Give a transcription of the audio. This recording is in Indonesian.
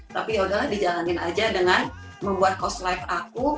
tapi yaudahlah dijalankan aja dengan membuat cost life aku